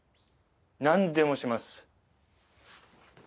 なんでもします。